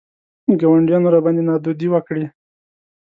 ګاونډیانو راباندې نادودې وکړې.